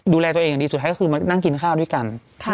ดูแลตัวเองอย่างดีสุดท้ายก็คือมานั่งกินข้าวด้วยกัน